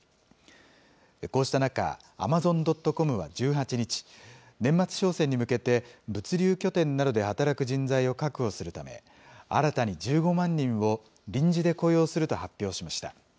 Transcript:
こうした中、アマゾン・ドット・コムは１８日、年末商戦に向けて、物流拠点などで働く人材を確保するため、新たに１５万人を臨時で雇用すると発表しました。